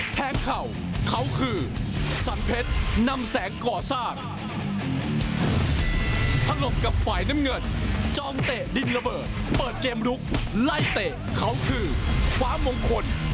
เต็มบางไซค์